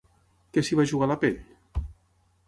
Que s’hi va jugar la pell?